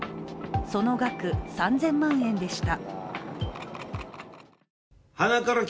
その額３０００万円でした。